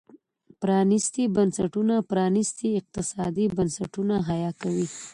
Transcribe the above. پرانيستي بنسټونه پرانيستي اقتصادي بنسټونه حیه کوي.